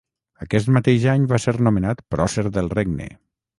Aquest mateix any va ser nomenat Pròcer del Regne.